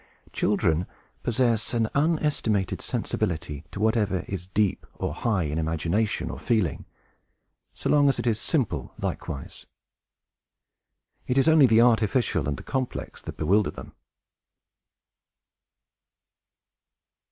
Children possess an unestimated sensibility to whatever is deep or high, in imagination or feeling, so long as it is simple likewise. It is only the artificial and the complex that bewilder them.